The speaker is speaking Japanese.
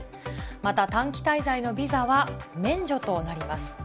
また、短期滞在のビザは免除となります。